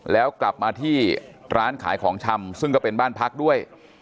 แล้วกลับมาที่ร้านขายของชำซึ่งก็เป็นบ้านพักด้วย